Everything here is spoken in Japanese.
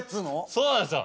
そうなんですよ。